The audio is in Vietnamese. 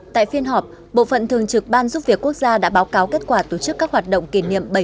tại phiên họp bộ phận thường trực ban giúp việc quốc gia đã báo cáo kết quả tổ chức các hoạt động kỷ niệm